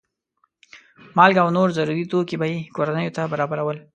مالګه او نور ضروري توکي به یې کورنیو ته برابرول.